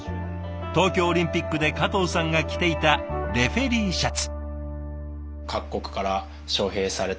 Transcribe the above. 東京オリンピックで加藤さんが着ていたレフェリーシャツ。